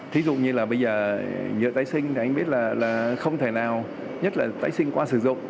thí dụ như là bây giờ nhựa tái sinh thì anh biết là không thể nào nhất là tái sinh qua sử dụng